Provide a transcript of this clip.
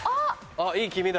あっいい気味だ。